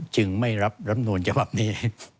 จึงไม่รับรำนวลเฉพาะนี้